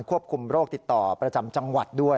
ควบคุมโรคติดต่อประจำจังหวัดด้วย